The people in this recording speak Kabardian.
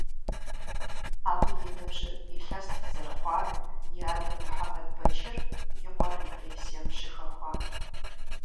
Абы и ныбжьыр илъэст зэрыхъуар и адэ Мухьэмэд Бэчыр и къуэр репрессием щыхэхуам.